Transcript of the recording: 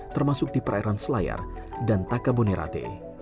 termasuk di perairan selayar dan takabonerate